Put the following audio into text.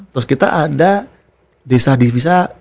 terus kita ada desa divisa